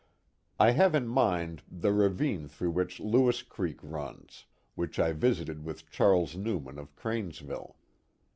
[ have in mind the ravine through which Lewis Creek runs, which I visited with Charles Newman of Cranesville.